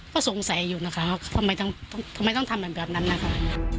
ก็สงสัยอยู่นะคะว่าทำไมต้องทำแบบนั้นนะคะ